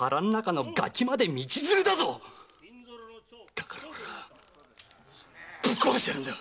だから俺はぶっ殺してやるんだ！